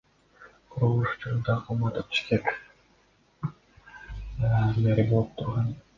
Курулуш учурунда Кулматов Бишкек мэри болуп турган.